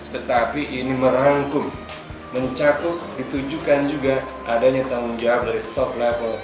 tetapi ini merangkum mencakup ditujukan juga adanya tanggung jawab dari top level